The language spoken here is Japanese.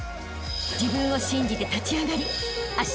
［自分を信じて立ち上がりあしたへ